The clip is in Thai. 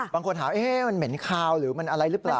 บางคนถามมันเหม็นคาวหรือมันอะไรหรือเปล่า